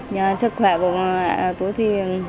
nhờ sức khỏe của con mẹ của thuyền